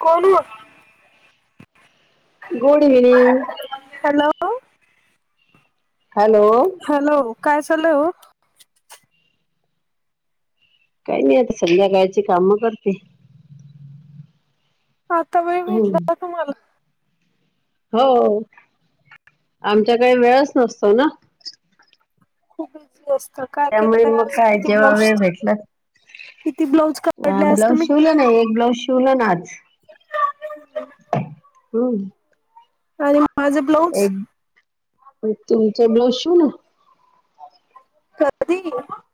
कोण [unintelligible] good evening! अ! Hello! ! Hello! Hello! काय चालय ओ? काही नाही आता संध्याकाळची काम करते. आता वेळ हम्म भेटला ना तुम्हाला? होय आमच्याकडे वेळच नसतो ना? खूप बिझी असता! नुसत काकेत त्यामुळे गळा मग अन आज काय किती जेव्हा ब्लाउज वेळ शिवल भेटला किती ब्लाऊज कट पले आज तुम्ही? तस काय नाही एक ब्लाऊज शिवला ना आज! हम्म! ! आणि माझे ब्लाऊज? तुमचे ब्लाऊज शिऊ ना! कधी? [inaudible]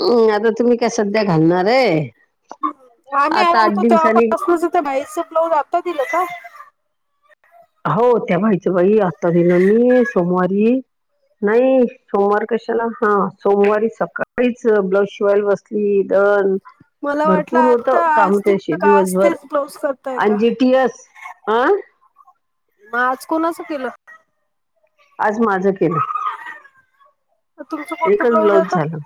हम्! आता तुम्ही कसध्या घालणार आहे? आम्ही आलो आता आठ होतो, दिवसांनी तेव्हापासूनच त्या बाईच ब्लाऊज आता दिलं का? हो. त्या बाईच, बाई. आत्ता दिलं मी, सोमवारी. नाही. सोमवार कशाला? हा, सोमवारी सकाळीच, ब्लाऊज शिवायला बस ली. दन मला वाटलं भरपूर होत, आता काम आज दिलं त्यादीवशी, का आज दिवसभर. तेच ब्लाऊज करताय का? आन जी टी एस आं? म आज कोणाचं केलं? आज माजं केलं. तुमचं कोणतं एकच ब्लाऊज आता झालं.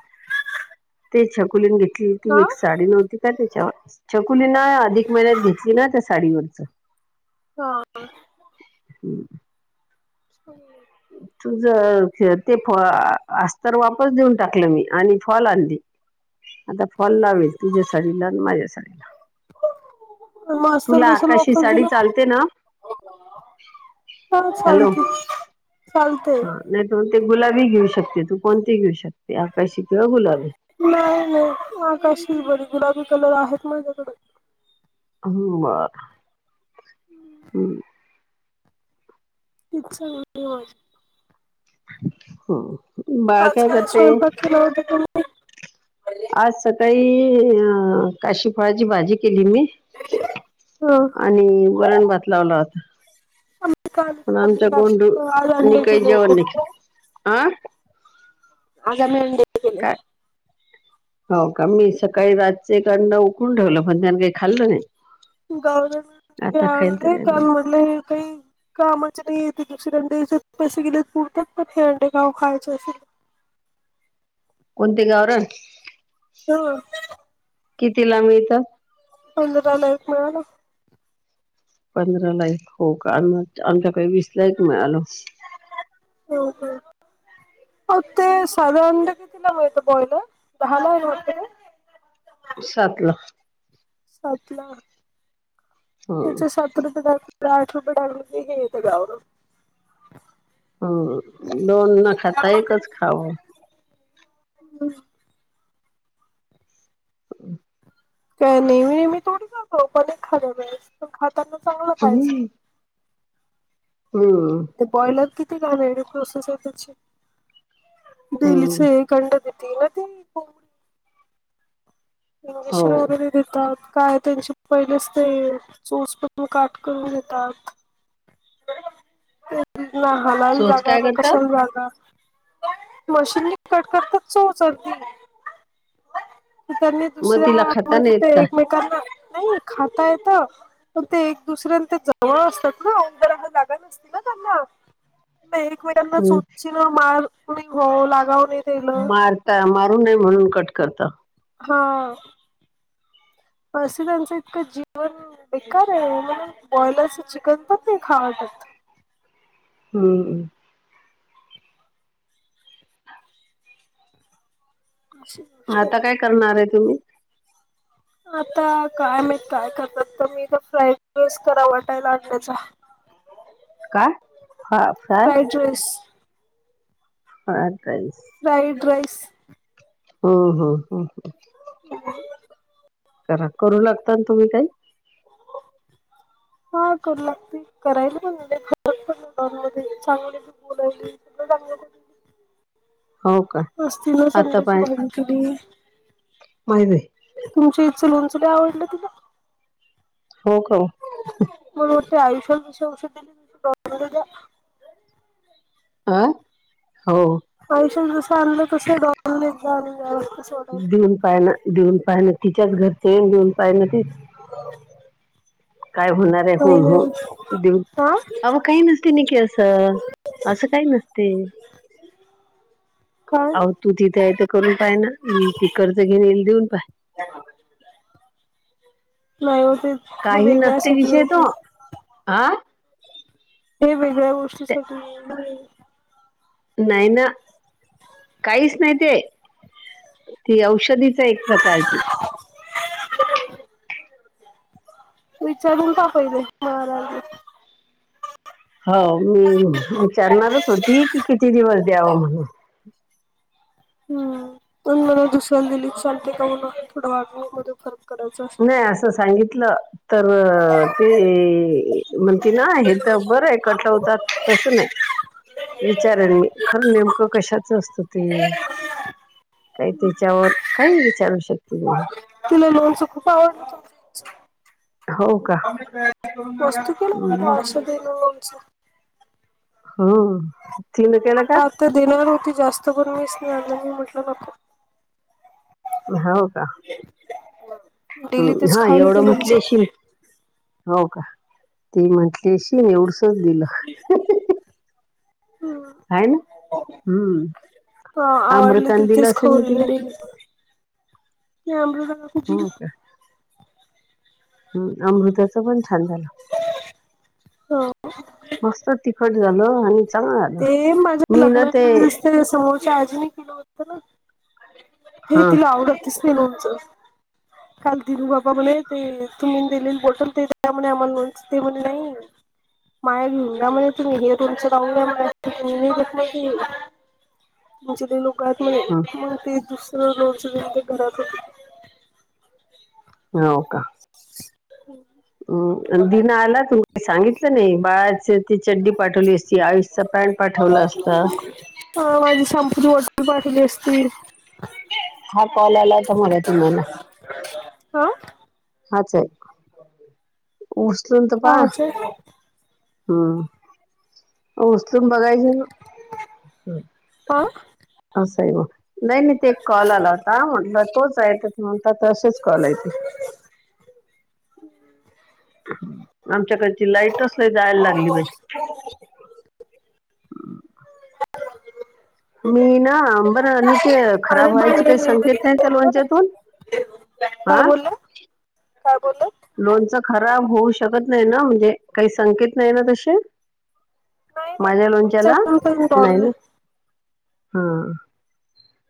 ते छकुलीने घेतली होती, हा एक साडी नव्हती का त्याच्यावरच. छकुलीन अदिक महिन्यात घेतली ना, त्या साडीवरच. हा. हम्म. [unintelligible] तुझ ते फ अ अस्तर वापस देऊन टाकलं मी. आणि फॉल आणली. आता फॉल लावील. तुझ्या साडीला न माझ्या साडीला. मग अस्तर तुला कशाला आकाशी वापस साडी दिलं चालते ना? हा, हॅलो चालती. चालतय. हा नाही, तू ते गुलाबी घेऊ शकते तू. कोणती ही घेऊ शकते. आकाशी किंवा गुलाबी. नाही, नाही. आकाशीच बरी. गुलाबी कलर आहेत माझ्याकडं. ह बरं. हम्. ते चांगलाच. हं. बाळ काय करतय? [inaudible] आज सकाळी, अ काशीफळाची भाजी केली मी. आणि वरणभात लावला होता. आम्ही काल पण खाल्ली आमच्या काशी आज गोंडूनी अंडे काय, केले जेवण होते. नाही केलं. आं. आजा मंडे. का? [inaudible] हो, का? मी सकाळी रातचे एक अंड उकडून ठेवलं. पण त्यांन काय खाल्लं नाही. गाव [unintelligible] आता खाईल तर काय माहित. म्हटलं हे काही कामाचे नाही. येते दुसरी अंडेच्या पैसे गेले पुरतात. पण हे अंडे गाव खायचे असेल. कोणते? गावरान. हा. कितीला, मिळतं? पंधराला एक मिळालं. पंधराला एक क. हो, का? आम - आमच्याकडे, वीसला एक मिळालं. ह, ह. हो, ते साधं अंड कितीला, मिळतं? बॉयलर. दहाला [unintelligible] सातला. सातला. हं, याच्या सात [unintelligible] आठ रुपये [unintelligible] येत गावरान. हं. दोन न खाता. एकच खावं. ह. हम्. काय [unintelligible] खाताना चांगलं खायचं हम [inaudible] कंड हं. [unintelligible] [inaudible] [inaudible] हो [unintelligible] काठ करून देतात केवडी लहान आही चोच जागा काय न करतात कशाल [unintelligible] मशीनने कट करतात [unintelligible] मग दुसऱ्या तिला खाता म्हणजे ते नाहीत का एकमेकांना नाही खाता येत पण ते एक दुसऱ्यान ते जवळ असतात ना [unintelligible] जागा न असती ना त्यांना नाही एक वेळांना चोचीन माारणी हो लागावणे. मारता मारू नये म्हणून कट करता हा [unintelligible] त्यांचं इतकं जीवन बेकार आहे म्हण बॉईलरचं चिकन पण नाही खाऊवाटत. हम्मम अआसो आता काय करणार आहे तुम्ही? आता काय माहित काय करतात तर मी तर फ्राईड राईस करा [unintelligible] [inaudible] काय [unintelligible] अॅड्रेस ह काईस फ्राईड राईस. हो हो ह ह ह [inaudible] करा करू लागता ना तुम्ही काही हा करू लागते करायला पण [unintelligible] [inaudible] हो का मस्त ना आता सांडग्याची पाय भाजी केली. [unintelligible] तुमची आईच लोणचं लई आवडल तिला. हो का. मला बोलते आयुष्यात [unintelligible] अ हो. पैशे जस आणलं तस [unintelligible] देऊन पाहिलं, देऊन पाहिलं तिच्याच घरचे देऊन पाहिल तीच- [inaudible] काय हूणार आहे नाही होन नाही होनऊन- हा अवं काही नसते नकी असं असं काही नसतय. काय आऊ तू तिथे आहे तर करून पाय ना ती कर्ज घेइन देऊन पाय. नाही होते ते वेगळ्यासाठी- आ हे वेगळ्या गोष्टीसाठी- नाही ना काहीच नाही ते. ती औषधीच आहे, एक प्रकारची. विचारून पाहा पहिले महाराज ला? हो मी विचारणारच होती, की किती दिवस दयावं म्हणून. हूं पण म्हन दुसऱ्या ल दिली चालते का म्हण थोडं [unintelligible] नही तर. असं सांगितलं. तर ती म्हणती ना हे त बरं आहे कटवतात तसं नाही. विचारेन मी, खरं नेमकं कशाच असतं ते? काही त्याच्यावर काही विचारू शकते [unintelligible] तीला लोनच खूप आवडत. हो का [unintelligible] हं तीन केल का? त देणार होती जास्त करून, पण मीच नाही आणल मी म्हटलं नको. हाव का. [unintelligible] हं तेच हा खायला एवढं ते म्हटली लोणचं. अशीन. हो का ती म्हंटली अशीन एवडसच दिलं. हाय ना हूं! हा आवडली तिची तिला [unintelligible] मी अमृताला हो का हूं अमृता च पण छान झालं, हो मस्त तिखट झालं आणि हा ना, ते माझ्या मी ना ते लग्नाच्या वेळेस ते समोरच्या आजीने केल होत ना, हे हा तिला आवडल. तिसनी लोणचं. काल दिनू बाबा म्हणे, ते तुम्हीन दिलेल बॉटल ते द्या म्हणे आम्हाला लोणचं, ते म्हणे नाही. माहय घीऊन जा म्हणे तुम्ही हे तुमचं राहुंद्या. [unintelligible] [unintelligible] लोणचं हं, बिन ते घरात होते. हो का! [inaudible] अ दिनं आला तुम्ही सांगितलं नाही बाळाच ती चड्डी पाठवली असती आयुष ह माझी शाम्पूची बॉटल पाठवली असती. हा कॉल आला होता म्हणे तुम्हालां? हा! हाच आहे, उचलून त पाहा. काहाचे हूं! उचलून बघायच ना, हा असं आहे मं. नाही नाही ते एक कॉल आला होता, म्हटलं तोच आहे त मग म्हणता तसेच कॉल आहे ते. आमच्या कडची लाईटच लई जायांला लागली बई. [inaudible] मी ना बर निके अरे खराब व्हायची बाई काही संकेत नाही. त्या लोंणच्यातून आ! काय बोलला काय बोले! लोणचं खराब होऊ शकत नाही ना, म्हणजे काही संकेत नाही ना तशे. नाही नाही माझ्या लोणच्याला विचारून काही नाही न. बोलले. हा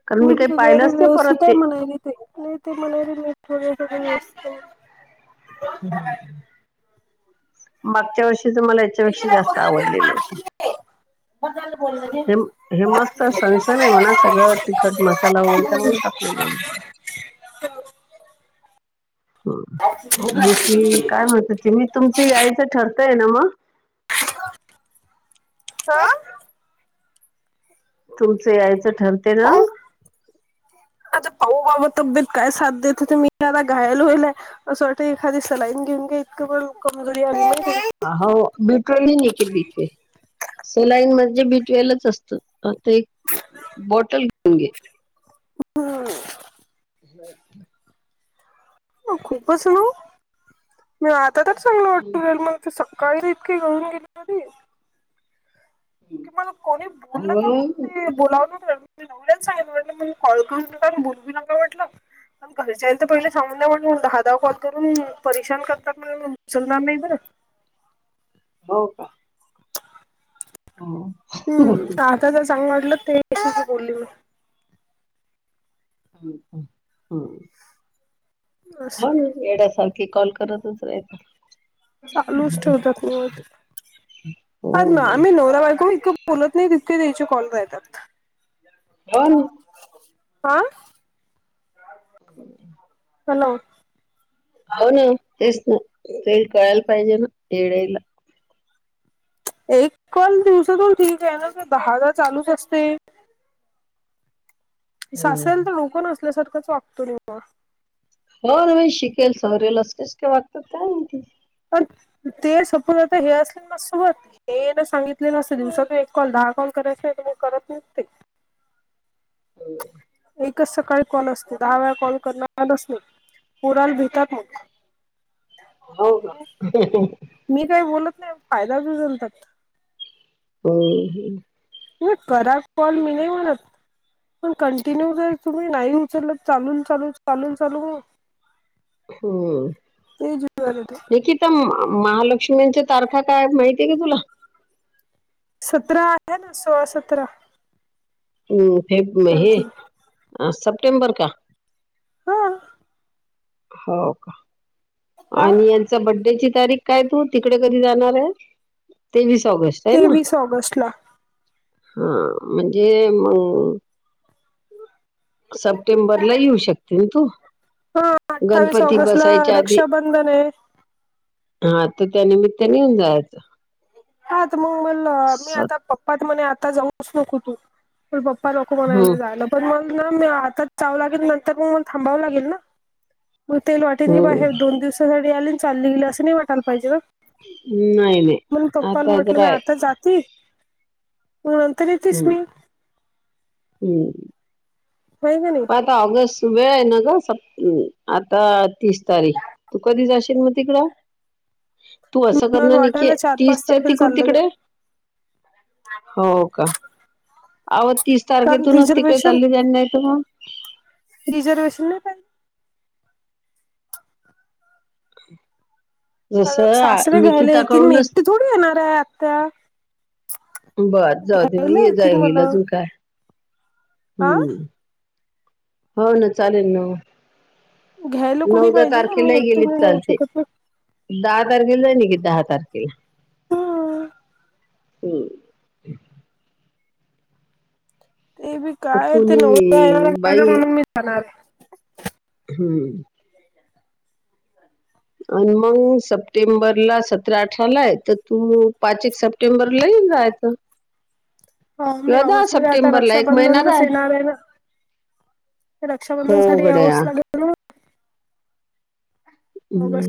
कारण मी मीठ काही वगैरे पाहिलंच नाही परत व्यवस्थित आहे ते म्हणालेत. ते नाही ते म्हणायले मीठ वगैरे थोड थोड नसतं. हम्म मागच्या वर्षीच मला याच्यापेक्षा जास्त आवडलेलं होतं. बस झालं बोलन दे हे म हे मस्त सणसण आहे म्हणा सगळं तिखट मसाला वगैरे चांगलं टाकलेलं मी. हम्म आणखी काय म्हणतं होती मी तुमचं यायचं ठरतंय ना मग? अह् तुमचं यायचं ठरते ना? आता पाहू बाबा तब्येत काय साथ देते ते मी आता घायाल होईले. असं वाटतंय एखादी सलाईन घेऊन घ्या इतकं पण कमजोरी आलेली आहे त्याच्या अ हो बिपियन की बीपे सलाईन म्हणजे बीटेल्स असतं आता एक बॉटल लिहून घे. हम्म [unintelligible] खूपच ना ओ मी आता तर चांगल वाटू राहिला मला ते सकाळची इतकं गळून गेली होती कि मला कोणी बोललं का मग म्हणून ते बोलावू नव्हत वाटतं. मी नवऱ्याला सांगितलं की बाबा मी कॉल करू नका बोलू बी नका म्हटलं. अन घरच्यांना तर पहिले सांगून द्या म्हटलं दहा दहा कॉल करून परेशान करतात म्हणलं मी उचलणार नाही बरं. हो का हम्म हम् आता जर चांगलं वाटलं ते [inaudible] बोलली मी. ह ह हम्म. असं. मग येड्यासारखे कॉल करतच रायते. चालूच ठेवतात मग आ ना आम्ही हो नवरा बायको इतकं बोलत नाही तितके त्याचे कॉल राहतात. हो नी. आं. [unintelligible] हॅलो. हो ना तेच ना ते कळायला पाहिजे ना येड्यायला. एक कॉल दिवसातून ठीक आहे ना की दहादा चालूच असते. ते सासऱ्याला तर डोक नसल्यासारखंच वागतो निव्वळ. हो ना बाई शिकेल सवरेल असं कसं काय वागतात काय माहिती. अ ते सपून आता हे असले ने माझं सोबत. हे तर सांगितले असत दिवसातून एक कॉल दहा कॉल करायचे नाही तर करत नाही ते. एक एकच सकाळी कॉल असतंय दहा वेळा कॉल करणारच नाही पोराला भितात मग. हो का? मी काही बोलत नाही फायदा उचलतात. हम् नाही करा कॉल मी नाही म्हणत पण कंटिन्यू जर तुम्ही नाही उचलंलत चालून चालून चालून चालून हम्म, ते जीवावर येते ऐकी आ महालक्ष्मीच्या तारखा काय माहितीय का तुला? सतरा आहे ना सोळा, सतरा म् फेब आय हे थिंक सप्टेंबर का? हा. हो का. का आणि यांचा बड्डेची तारीख काय तू तिकडे कधी जाणार आहे तेवीस ऑगस्ट. आहे ना तेवीस ऑगस्ट ला. हा म्हणजे मग सप्टेंबरला येऊ शकते ना तू? हा अठ्ठावीस गणपती ऑगस्ट ला बसायच्या आधी रक्षाबंधन आहे. हा तर त्यानिमित्त येऊन जायचं. हा मग मल मी स आता पप्पात म्हणे आता जाऊच नको तू. म पप्पा नको म्हणायला हम्म लागलेत जायला पण मग ना मी आताच जावं लागेल नंतर मग म थांबावं लागेल ना. तेल वाटेन की हम्म बाहेर दोन दिवसासाठी आले चालले गेल असं नाही वाटायला पाहिजे का. हम् नाही नाही आता म्हटलं तर मी आहे आता जाते मग नंतर येतेस मी. हम्. हो का नाही? आता ऑगस्ट सुभे आहे ना ग आता तीस तारीख. तू कधी जाशील मग तिकडं? तू असं मला करणार नाही [inaudible] की वाटायला चार पाच तीसच्या तारखेला तिकड चाललं ग तिकडे. [inaudible] अव तीस कारण तारखेतूनच तिकडे चालले जाणार नाही त मग. रिझर्वेेशन नाही पाहि जस आ निकिता कडूनच सोडू येणार आहे आत्या बर जाऊदे घ्यायला मीच येतील येईल मला अजून काय आ हम्म. हो ना चालेल ना घ्यायला मग नव कोणी दहा पाहिजे ना मी तारखेलाही गेले तर एकटीने जाऊ चालते. शकत नाही. दहा तारखेला निघ दहा तारखेला. हो. हम्म.. ते बी काय ते नवला येणार कुणी बाई म्हणून मी जाणार. हम्म. आणि मग सप्टेंबरला सतरा अठरा ला आहे तर तू पाच एक सप सप्टेंबरलाही येऊन जायचं. हो मी किंवा दहा ऑगस्ट मध्ये आता सप्टेंबरला एक महिना रक्षाबंधनच राय येणार आहे ना. हो रक्षाबंधन साठी गड्या यावचं लागेल ना मला हम्म. ऑगस्ट